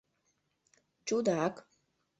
— Чудак!